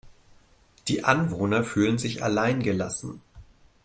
Die Anwohner fühlen sich allein gelassen.